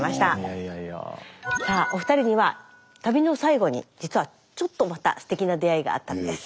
さあお二人には旅の最後に実はちょっとまたステキな出会いがあったんです。